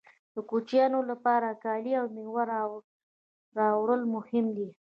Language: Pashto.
د کوچنیانو لپاره کالي او مېوه راوړل مهم دي